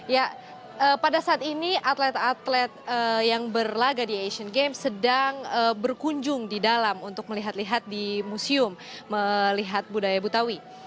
ya pada saat ini atlet atlet yang berlaga di asian games sedang berkunjung di dalam untuk melihat lihat di museum melihat budaya betawi